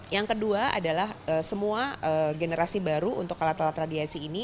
yang kedua adalah semua generasi baru untuk alat alat radiasi ini